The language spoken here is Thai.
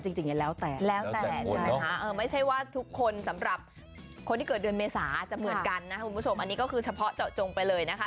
คุณผู้ชมอันนี้ก็คือเฉพาะเจาะจงไปเลยนะคะ